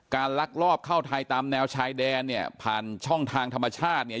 ลักลอบเข้าไทยตามแนวชายแดนเนี่ยผ่านช่องทางธรรมชาติเนี่ย